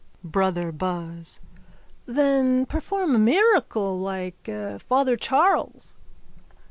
BROTHER BUZZ: Then perform a miracle like Father Charles.